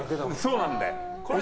そうなんだよ。